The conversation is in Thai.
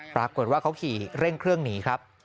ปรากฏว่าเขาขี่เร่งเครื่องหนีครับ